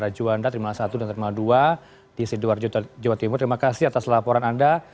juanda terminal satu dan terminal dua di sidoarjo jawa timur terima kasih atas laporan anda